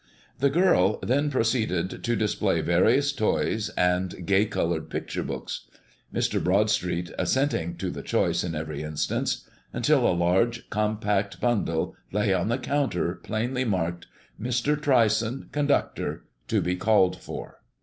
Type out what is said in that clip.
The girl then proceeded to display various toys and gay colored picture books, Mr. Broadstreet assenting to the choice in every instance, until a large, compact bundle lay on the counter, plainly marked, "_Mr. Tryson, Conductor. To be called for.